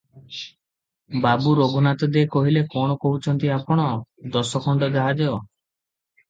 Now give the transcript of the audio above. ବାବୁ ରଘୁନାଥ ଦେ କହିଲେ-କଣ କହୁଛନ୍ତି ଆପଣ ଦଶଖଣ୍ଡ ଜାହାଜ ।